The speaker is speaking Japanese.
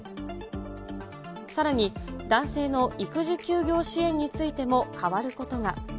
さらに、男性の育児休業支援についても変わることが。